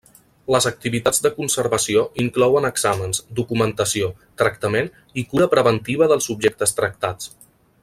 Les activitats de conservació inclouen exàmens, documentació, tractament i cura preventiva dels objectes tractats.